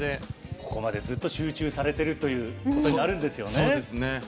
ここまでずっと集中されていることになるんですよね。